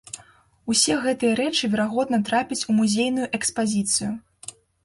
Усе гэтыя рэчы верагодна трапяць у музейную экспазіцыю.